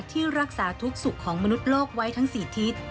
ที่รักษาทุกสุขของมนุษย์โลกไว้ทั้ง๔ทิศ